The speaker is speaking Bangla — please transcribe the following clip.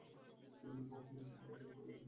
দুই ভগ্নী শিবিকা ত্যাগ করিয়া বাহিরে আসিল।